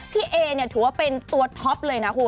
เอเนี่ยถือว่าเป็นตัวท็อปเลยนะคุณ